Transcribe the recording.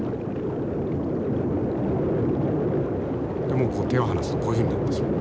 もうここ手を離すとこういうふうになってしまう。